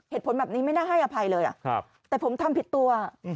เหตุผลแบบนี้ไม่น่าให้อภัยเลยแต่ผมทำผิดตัว